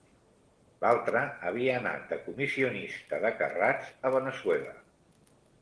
L'altre havia anat de comissionista de carrats a Veneçuela;